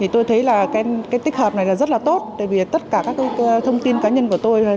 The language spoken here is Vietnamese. tôi thấy tích hợp này rất tốt vì tất cả các thông tin cá nhân của tôi